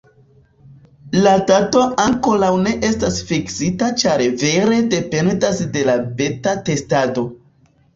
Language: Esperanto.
La dato ankoraŭ ne estas fiksita ĉar vere dependas de la beta testado